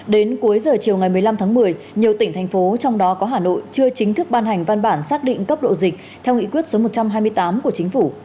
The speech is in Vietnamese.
đến cuối giờ chiều ngày một mươi năm tháng một mươi nhiều tỉnh thành phố trong đó có hà nội chưa chính thức ban hành văn bản xác định cấp độ dịch theo nghị quyết số một trăm hai mươi tám của chính phủ